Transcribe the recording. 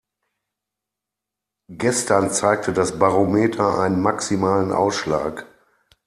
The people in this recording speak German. Gestern zeigte das Barometer einen maximalen Ausschlag.